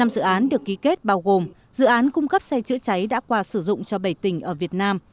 năm dự án được ký kết bao gồm dự án cung cấp xe chữa cháy đã qua sử dụng cho bảy tỉnh ở việt nam